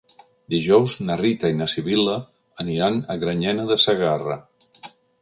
Dijous na Rita i na Sibil·la aniran a Granyena de Segarra.